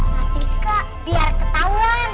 tapi kak biar ketahuan